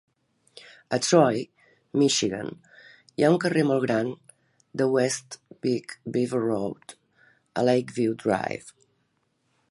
A Troy, Michigan hi ha un carrer molt gran de West Big Beaver Road a Lakeview Drive.